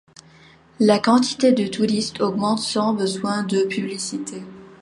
La quantité de touristes augmente sans besoin de publicité.